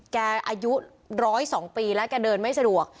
อายุ๑๐๒ปีแล้วแกเดินไม่สะดวก